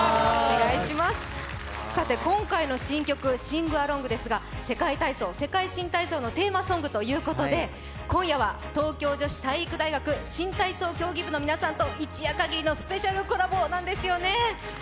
今回の新曲「Ｓｉｎｇ−ａｌｏｎｇ」ですが世界体操、世界新体操のテーマ曲ということで今夜は東京女子体育大学新体操競技部の皆さんと一夜かぎりのスペシャルコラボなんですよね。